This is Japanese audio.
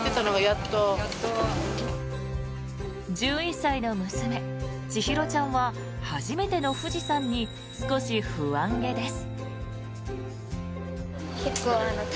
１１歳の娘、千尋ちゃんは初めての富士山に少し不安げです。